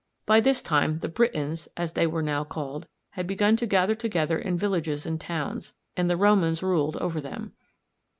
] By this time the Britons, as they were now called, had begun to gather together in villages and towns, and the Romans ruled over them.